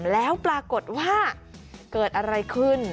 แล้วปรากฏว่าเกิดอะไรขึ้น